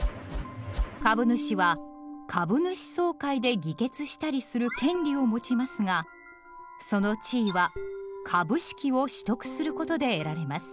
株主は「株主総会」で議決したりする権利を持ちますがその地位は「株式」を取得することで得られます。